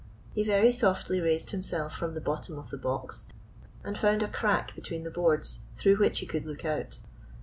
He very softly raised himself from the bottom of the box, and found a crack between the boards through which he could look out.